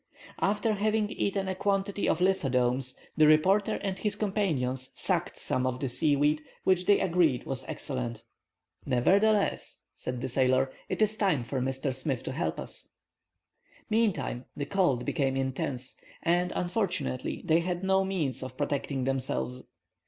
After having eaten a quantity of lithodomes the reporter and his companions sucked some of the seaweed, which they agreed was excellent. "Nevertheless," said the sailor, "it is time for Mr. Smith to help us." Meantime the cold became intense, and, unfortunately, they had no means of protecting themselves.